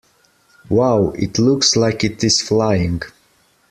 Wow! It looks like it is flying!